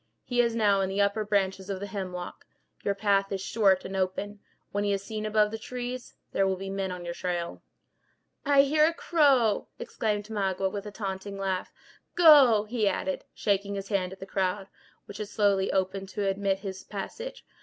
He is now in the upper branches of the hemlock. Your path is short and open. When he is seen above the trees, there will be men on your trail." "I hear a crow!" exclaimed Magua, with a taunting laugh. "Go!" he added, shaking his hand at the crowd, which had slowly opened to admit his passage.